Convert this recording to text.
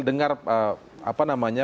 ihin lalu kepenuksjaannya